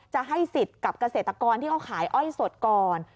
จะให้สิทธิ์กับเกษตรกรที่เขาขายอ้อยสดก่อน